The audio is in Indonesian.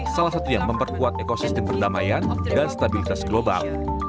salah satu yang memperkuat ekosistem perdamaian dan stabilitas global